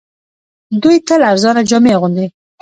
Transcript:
دوی تل ارزانه جامې اغوندي